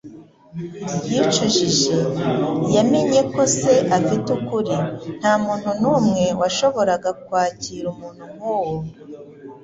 Yicujije, yamenye ko se afite ukuri: ntamuntu numwe washoboraga kwakira umuntu nkuwo.